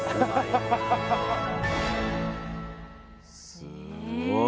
すごい。